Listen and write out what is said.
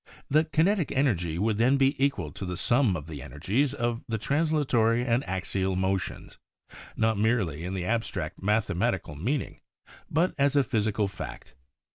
The kinetic energy would then be equal to the sum of the energies of the translatory and axial motions, not merely in the ab stract mathematical meaning, but as a phy sical fact.